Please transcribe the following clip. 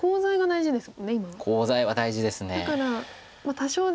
大事です。